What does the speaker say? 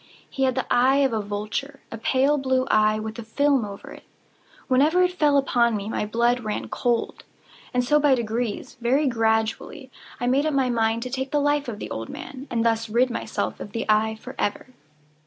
He had the eye of a vulture—a pale blue eye, with a film over it. Whenever it fell upon me, my blood ran cold; and so by degrees—very gradually—I made up my mind to take the life of the old man, and thus rid myself of the eye forever.